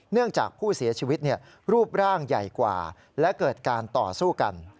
จากผู้เสียชีวิตรูปร่างใหญ่กว่าและเกิดการต่อสู้กัน